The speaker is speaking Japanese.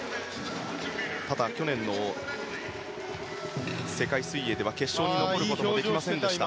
ただ去年の世界水泳では決勝に残ることができませんでした。